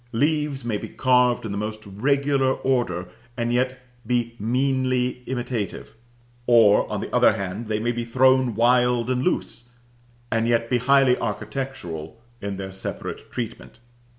Leaves may be carved in the most regular order, and yet be meanly imitative; or, on the other hand, they may be thrown wild and loose, and yet be highly architectural in their separate treatment.